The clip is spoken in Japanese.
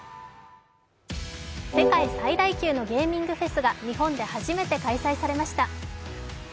世界最大級のゲーミングフェスが日本で初めて開催されました。